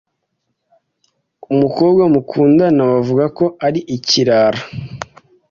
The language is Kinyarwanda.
Umukobwa mukundana bavuga ko ari ikirara